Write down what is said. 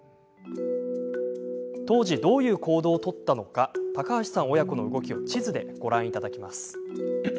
当時どういう行動を取ったのか高橋さん親子の動きを地図で、ご覧いただきます。